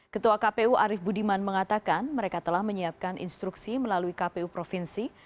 ketua kpu arief budiman mengatakan mereka telah menyiapkan instruksi melalui kpu provinsi